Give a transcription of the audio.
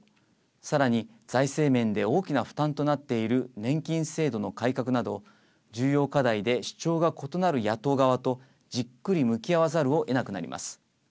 さらに、財政面で大きな負担となっている年金制度の改革など重要課題で主張が異なる野党側とじっくり向き合わざるをえなくなります。